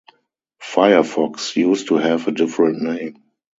Firefox used to have a different name.